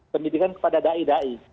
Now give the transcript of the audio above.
pendidikan kepada da'i da'i